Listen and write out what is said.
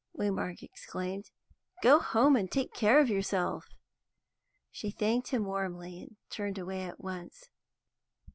Waymark exclaimed. "Go home and take care of yourself." She thanked him warmly, and turned away at once.